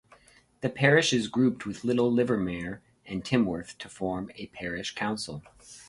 The parish is grouped with Little Livermere and Timworth to form a parish council.